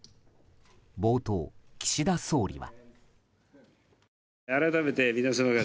冒頭、岸田総理は。